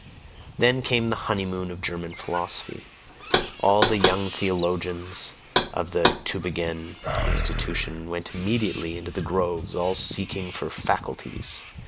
Then came the honeymoon of German philosophy. All the young theologians of the Tubingen institution went immediately into the groves all seeking for "faculties."